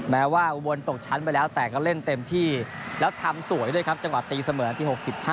แม้ว่าอุบลตกชั้นไปแล้วแต่ก็เล่นเต็มที่แล้วทำสวยด้วยครับจังหวะตีเสมอนาที๖๕